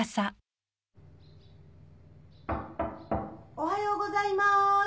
・・おはようございます。